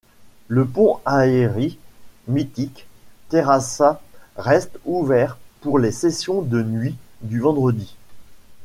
Le Pont Aeri mythique Terrassa reste ouvert pour les sessions de nuit du vendredi.